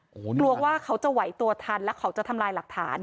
กลัวว่าเขาจะไหวตัวทันแล้วเขาจะทำลายหลักฐาน